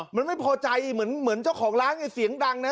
มันไม่พอใจเหมือนเจ้าของร้านไงเสียงดังนะ